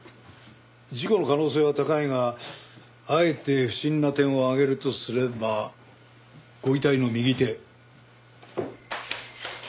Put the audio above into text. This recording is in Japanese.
事故の可能性は高いがあえて不審な点を挙げるとすればご遺体の右手。